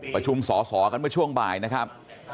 ประชุมสอสอกันเมื่อช่วงบ่ายนะครับ